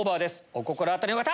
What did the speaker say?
お心当たりの方！